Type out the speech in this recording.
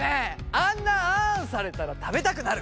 あんなあんされたら食べたくなる。